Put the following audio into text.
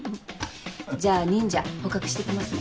じゃあ忍者捕獲して来ますね。